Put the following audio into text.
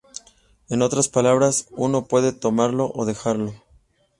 En otras palabras, uno puede "tomarlo o dejarlo".